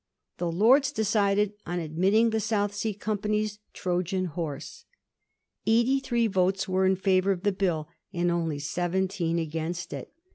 The Lords decided on admitting the South Sea Company's Trojan horse. Eighty three votes were in favour of the Bill, and only seventeen against it.